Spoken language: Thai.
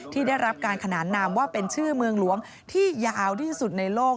ที่ได้รับการขนานนามว่าเป็นชื่อเมืองหลวงที่ยาวที่สุดในโลก